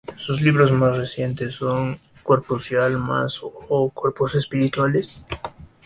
Sus libros más recientes son "Cuerpos y Almas, o Cuerpos Espirituales?